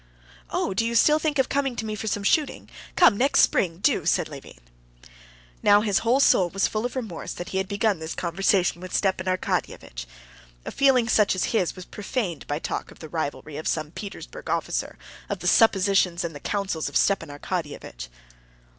"Oh, do you still think of coming to me for some shooting? Come next spring, do," said Levin. Now his whole soul was full of remorse that he had begun this conversation with Stepan Arkadyevitch. A feeling such as his was profaned by talk of the rivalry of some Petersburg officer, of the suppositions and the counsels of Stepan Arkadyevitch.